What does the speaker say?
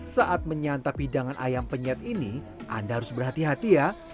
saat menyantap hidangan ayam penyet ini anda harus berhati hati ya